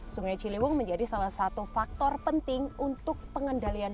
sungai ciliwung menjadi salah satu faktor penting untuk pengendalian